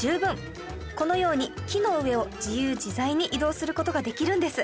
このように木の上を自由自在に移動する事ができるんです